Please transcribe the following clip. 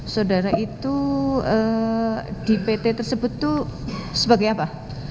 saudara itu di pt tersebut itu sebagai apa